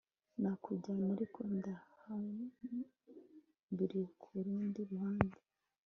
Nakujyana ariko ndahambiriye ku rundi ruhande